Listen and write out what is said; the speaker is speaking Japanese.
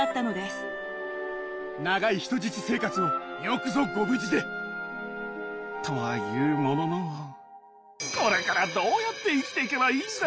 長い人質生活をよくぞご無事で！とは言うもののこれからどうやって生きていけばいいんだ！